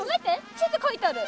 地図描いてある。